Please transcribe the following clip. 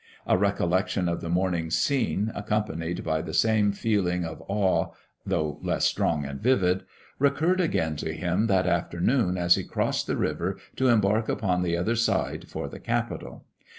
A recollection of the morning's scene, accompanied by the same feeling of awe (though less strong and vivid), recurred again to him that afternoon as he crossed the river to embark upon the other side for the capital.